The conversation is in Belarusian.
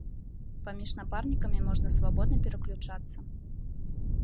Паміж напарнікамі можна свабодна пераключацца.